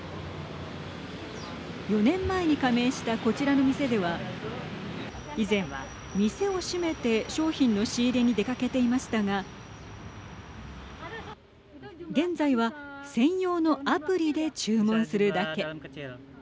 ４年前に加盟したこちらの店では以前は店を閉めて商品の仕入れに出かけていましたが現在は、専用のアプリで注文するだけ。